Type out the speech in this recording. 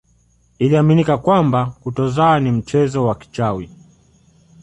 Iliaminika kwamba kutozaa ni mchezo wa kichawi